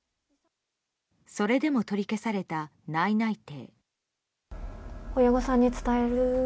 それでも取り消された内々定。